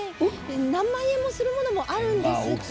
何万円もするものもあるんだそうです。